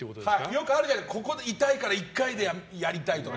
よくあるじゃないですか痛いから１回でやりたいとか。